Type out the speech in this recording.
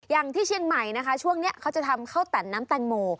อย่างที่เชียงใหม่นะคะช่วงนี้เขาจะทำข้าวแต่นน้ำแตงโม